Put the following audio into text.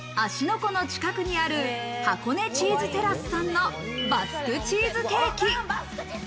湖の近くにある箱根チーズテラスさんのバスクチーズケーキ。